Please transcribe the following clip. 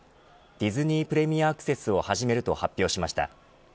ディズニー・プレミアアクセスを始めると発表しました。